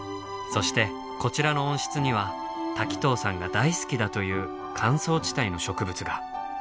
そしてこちらの温室には滝藤さんが大好きだという乾燥地帯の植物が。